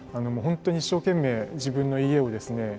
本当に一生懸命自分の家をですね